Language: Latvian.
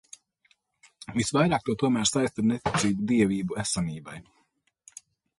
Visvairāk to tomēr saista ar neticību dievību esamībai.